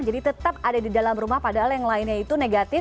jadi tetap ada di dalam rumah padahal yang lainnya itu negatif